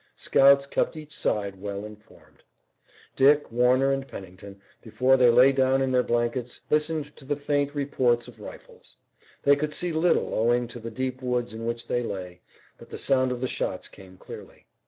Scouts kept each side well informed. Dick, Warner and Pennington, before they lay down in their blankets, listened to the faint reports of rifles. They could see little owing to the deep woods in which they lay, but the sound of the shots came clearly.